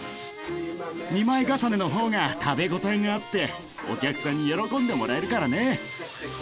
２枚重ねの方が食べ応えがあってお客さんに喜んでもらえるからね！